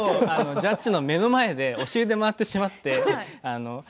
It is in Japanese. ジャッジの目の前でお尻で回ってしまっている。